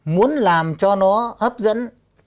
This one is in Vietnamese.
muốn làm cho nó hấp dẫn